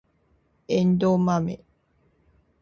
エンドウマメ